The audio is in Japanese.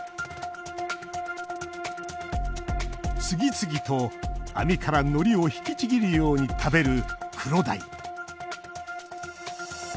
次々と網からのりを引きちぎるように食べるクロダイ。